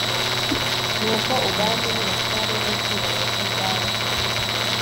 nuko ubwami n ubutware n icyubahiro cy ubwami